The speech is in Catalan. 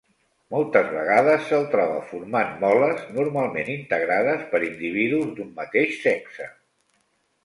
Moltes vegades se'l troba formant moles, normalment integrades per individus d'un mateix sexe.